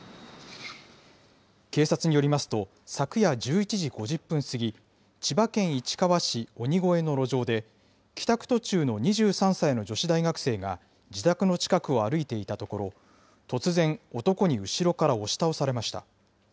警察によりますと、昨夜１１時５０分過ぎ、千葉県市川市鬼越の路上で、帰宅途中の２３歳の女子大学生が自宅の近くを歩いていたところ、突然、男に後ろから押し倒されました。